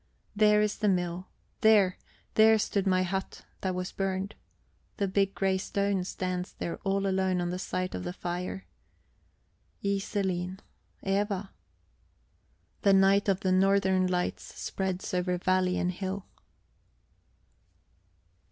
There is the mill; there, there stood my hut, that was burned; the big grey stone stands there all alone on the site of the fire. Iselin, Eva... The night of the northern lights spreads over valley and hill.